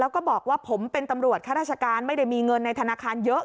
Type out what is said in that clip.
แล้วก็บอกว่าผมเป็นตำรวจข้าราชการไม่ได้มีเงินในธนาคารเยอะ